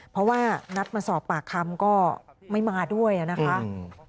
เพราะว่านัดมาสอบปากคำก็ไม่มาด้วยนะคะ